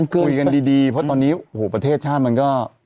คุยกันดีเพราะตอนนี้โอ้โหประเทศชาติมันก็